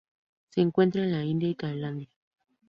Se encuentra en la India y Tailandia.